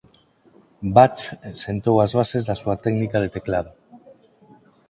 Bach "sentou as bases da súa técnica de teclado".